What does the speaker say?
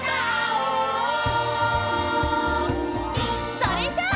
それじゃあ！